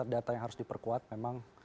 data yang harus diperkuat memang